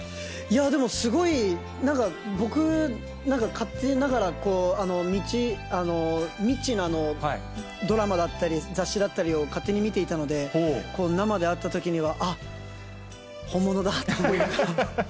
でもすごい、なんか、僕、なんか勝手ながらみっちーのドラマだったり、雑誌だったりを勝手に見ていたので、生で会ったときには、あっ、本物だと思いました。